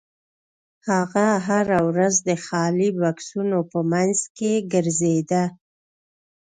هغه هره ورځ د خالي بکسونو په مینځ کې ګرځیده